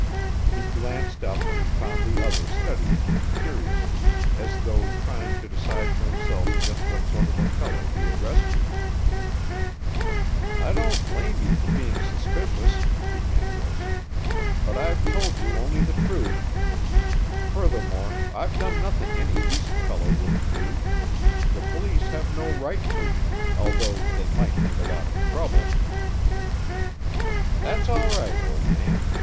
He glanced up and found the other studying him curiously as though trying to decide for himself just what sort of a fellow he had rescued. "I don't blame you for being suspicious," began Wilson, "but I've told you only the truth. Furthermore, I've done nothing any decent fellow wouldn't do. The police have no right to me, although they might make a lot of trouble." "That's all right, old man.